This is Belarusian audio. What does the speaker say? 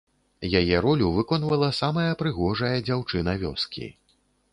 Яе ролю выконвала самая прыгожая дзяўчына вёскі.